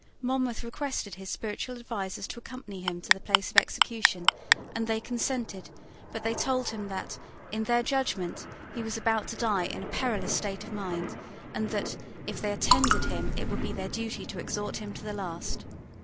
Monmouth requested his spiritual advisers to accompany him to the place of execution; and they consented: but they told him that, in their judgment, he was about to die in a perilous state of mind, and that, if they attended him it would be their duty to exhort him to the last.